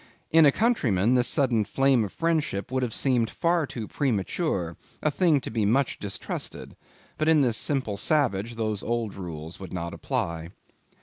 In a countryman, this sudden flame of friendship would have seemed far too premature, a thing to be much distrusted; but in this simple savage those old rules would not apply.